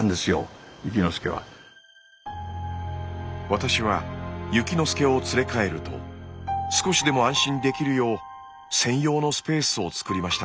私はゆきのすけを連れ帰ると少しでも安心できるよう専用のスペースを作りました。